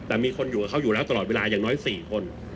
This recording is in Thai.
แต่มีคนอยู่กับเขาอยู่แล้วตลอดเวลาอย่างน้อย๔คน